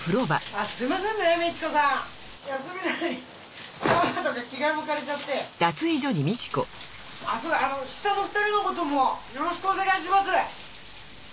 あっそうだあの下の２人のこともよろしくお願いします。